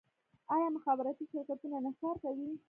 آیا مخابراتي شرکتونه انحصار کوي؟